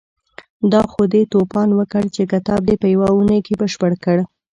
دا خو دې توپان وکړ چې کتاب دې په يوه اونۍ کې بشپړ کړ.